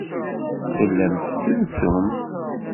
Tellamt tettrusumt.